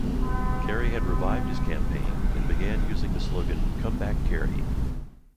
Kerry had revived his campaign and began using the slogan "Comeback Kerry".